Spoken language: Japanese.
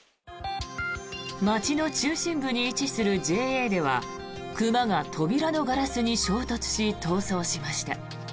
街の中心部に位置するＪＡでは熊が扉のガラスに衝突し逃走しました。